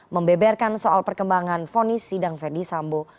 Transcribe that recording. membeberkan soal perkembangan fonis sidang verdi sambo